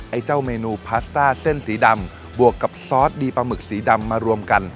เจ้าเมนูพาสต้าเส้นสีดำบวกกับซอสดีปลาหมึกสีดำมารวมกัน